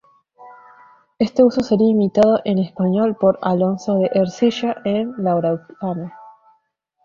Este uso sería imitado en español por Alonso de Ercilla en "La Araucana".